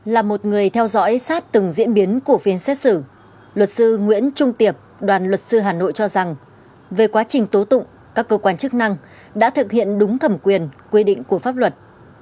là một người theo dõi sát từng diễn biến của phiên xét xử luật sư nguyễn trung tiệp đoàn luật sư hà nội cho rằng về quá trình tố tụng các cơ quan chức năng đã thực hiện đúng thẩm quyền quy định của pháp luật